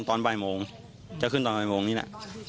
ตอนบ่ายโมงจะขึ้นตอนบ่ายโมงนี้นะ